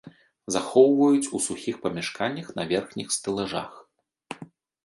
Захоўваюць у сухіх памяшканнях на верхніх стэлажах.